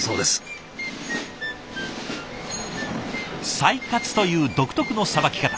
裁割という独特のさばき方。